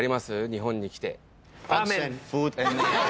日本に来て。